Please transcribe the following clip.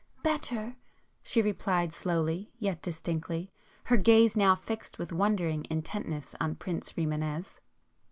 [p 149]"Better," she replied slowly, yet distinctly, her gaze now fixed with wondering intentness on Prince Rimânez.